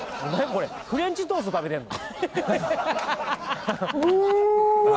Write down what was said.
これフレンチトースト食べてんの？